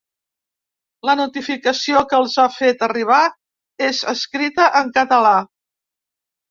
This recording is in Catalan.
La notificació que els ha fet arribar és escrita en català.